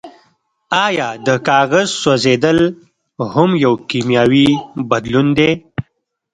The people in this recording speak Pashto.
ایا د کاغذ سوځیدل هم یو کیمیاوي بدلون دی